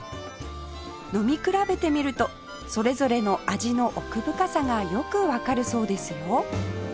飲み比べてみるとそれぞれの味の奥深さがよくわかるそうですよ